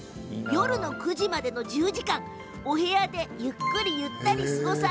夜の９時までの１０時間お部屋でゆっくり過ごす